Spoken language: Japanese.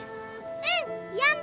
うん。